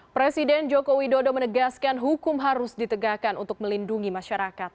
presiden joko widodo menegaskan hukum harus ditegakkan untuk melindungi masyarakat